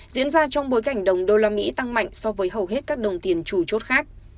diễn ra trong bối cảnh đồng usd tăng mạnh so với hầu hết các đồng tiền trù chốt khác